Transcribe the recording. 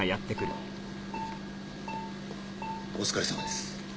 お疲れさまです。